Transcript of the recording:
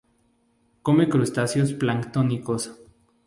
Come crustáceos planctónicos.